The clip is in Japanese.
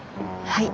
はい。